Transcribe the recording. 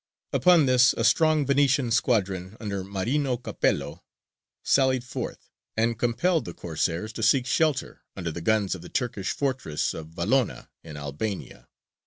Upon this a strong Venetian squadron, under Marino Capello, sallied forth, and compelled the Corsairs to seek shelter under the guns of the Turkish fortress of Valona in Albania.